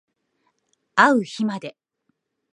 あう日まで